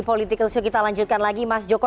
political show kita lanjutkan lagi mas joko